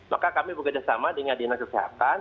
maka kami bekerjasama dengan dinas kesehatan